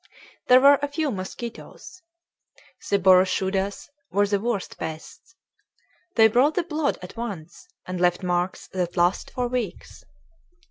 There were a few mosquitoes. The boroshudas were the worst pests; they brought the blood at once, and left marks that lasted for weeks.